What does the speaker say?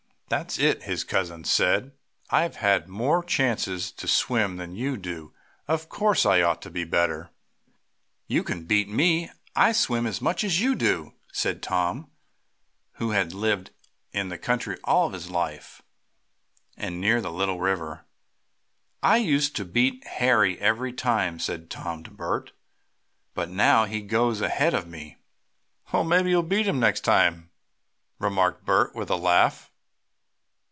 "That's it," his cousin said. "I have had more chances to swim than you do, so of course I ought to be better." "You can beat me, and I swim as much as you do," said Tom, who had lived in the country all his life, and near the little river. "I used to beat Harry every time," said Tom to Bert, "but now he goes ahead of me." "Well, maybe you'll beat him next time," remarked Bert, with a laugh.